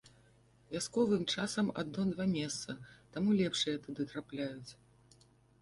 Вясковым часам адно-два месца, таму лепшыя туды трапляюць.